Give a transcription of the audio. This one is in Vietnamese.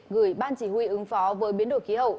gửi ban chỉ huy ứng phó với biến đổi khí hậu